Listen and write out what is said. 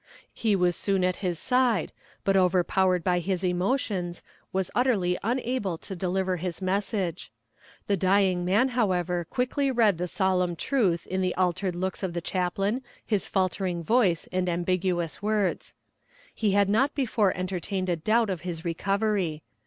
He was soon at his side, but overpowered by his emotions, was utterly unable to deliver his message. The dying man, however, quickly read the solemn truth in the altered looks of the chaplain, his faltering voice and ambiguous words. He had not before entertained a doubt of his recovery.